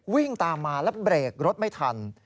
วิ่งตามมาแล้วเบรกรถไม่ทัน